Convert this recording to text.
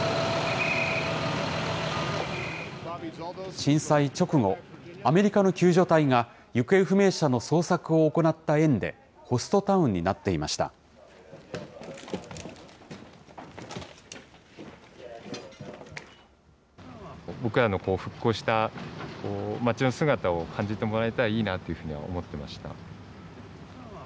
震災直後、アメリカの救助隊が、行方不明者の捜索を行った縁で、ホストタウンになっていました。